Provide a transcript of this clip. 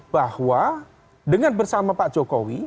bahwa dengan bersama pak jokowi